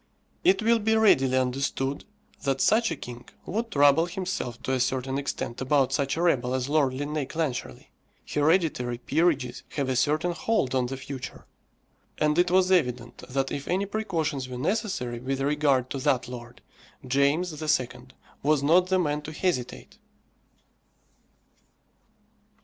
It will be readily understood that such a king would trouble himself to a certain extent about such a rebel as Lord Linnæus Clancharlie. Hereditary peerages have a certain hold on the future, and it was evident that if any precautions were necessary with regard to that lord, James II. was not the man to hesitate.